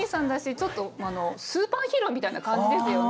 ちょっとあのスーパーヒーローみたいな感じですよね。